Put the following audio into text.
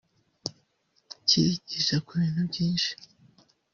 kirigisha ku bintu byinshi